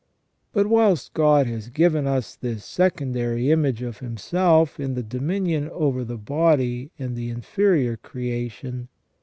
But whilst God has given us this secondary image of Himself in the dominion over the body and the inferior creation.